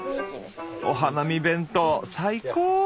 お花見弁当最高！